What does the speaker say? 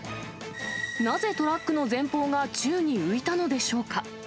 なぜトラックの前方が宙に浮いたのでしょうか。